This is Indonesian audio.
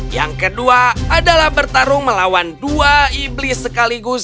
yang kedua adalah bertarung melawan dua iblis sekali lagi